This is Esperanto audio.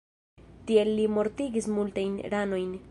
Tiel li mortigis multajn ranojn.